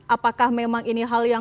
apakah memang ini hal yang